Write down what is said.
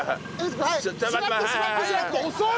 遅い！